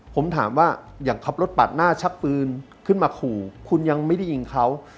ผมถามว่าอย่างขับรถปาดหน้าชักปืนขึ้นมาขู่คุณยังไม่ได้ยิงเขา